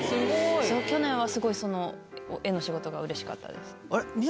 去年はスゴいその絵の仕事がうれしかったです。